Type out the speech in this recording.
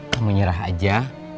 kamu nyerah aja